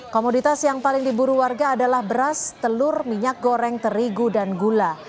komoditas yang paling diburu warga adalah beras telur minyak goreng terigu dan gula